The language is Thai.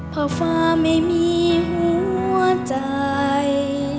เพราะฟ้าไม่มีหัวใจ